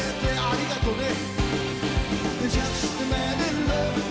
ありがとね。